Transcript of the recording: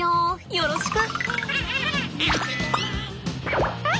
よろしく。